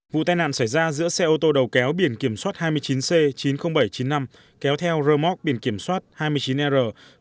vụ tai nạn xảy ra giữa xe ô tô đầu kéo biển kiểm soát hai mươi chín c chín mươi nghìn bảy trăm chín mươi năm kéo theo rơ móc biển kiểm soát hai mươi chín r năm nghìn chín trăm bảy mươi